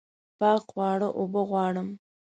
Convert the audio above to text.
پاک خواړه اوبه غواړم